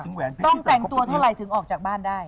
ต้องแต่งตัวเท่าไหร่ถึงออกจากบ้านได้